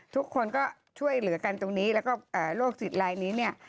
ทุกคนก็ช่วยเหลือกันตรงนี้แล้วก็โรคจิตลายนี้เนี่ย